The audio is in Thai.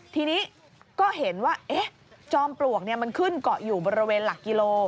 ทีนี้ก็เห็นว่าจอมปลวกมันขึ้นเกาะอยู่บริเวณหลักกิโล